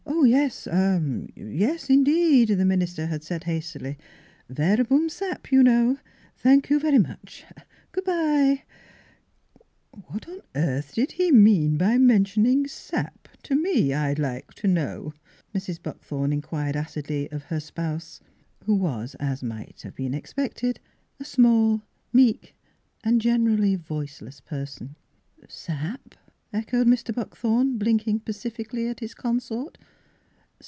Yes — yes, indeed," the minister had said hastily, " Verhum sap., you know ! Thank you very much. Good bye !" Miss Philura's Wedding Gown " What on earth did he mean by men tioning sap to me, I'd Hke to know," Mrs, Buckthorn inquired acidly of her spouse, who was, as might have been expected, a small, meek, generally voiceless person. "Sap?" echoed Mr. Buckthorn, blink ing pacifically at his consort.